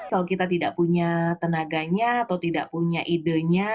kalau kita tidak punya tenaganya atau tidak punya idenya